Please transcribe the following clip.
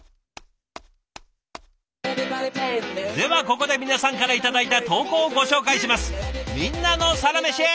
ではここで皆さんから頂いた投稿をご紹介します。